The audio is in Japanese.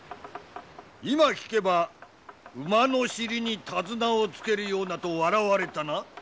今聞けば馬の尻に手綱をつけるようなと笑われたな？